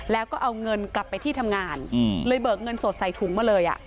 แล้วก็เอาเงินกลับไปที่ทำงานเลยเบิกเงินสดใส่ถุงมาเลยอ่ะ